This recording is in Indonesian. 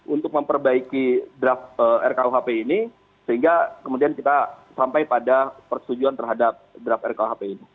untuk memperbaiki draft rkuhp ini sehingga kemudian kita sampai pada persetujuan terhadap draft rkuhp ini